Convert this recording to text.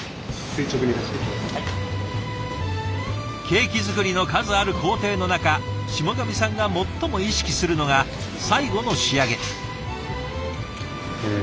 ケーキ作りの数ある工程の中霜上さんが最も意識するのが最後の仕上げ。